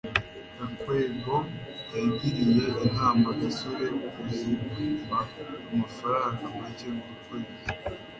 gakwego yagiriye inama gasore kuzigama amafaranga make buri kwezi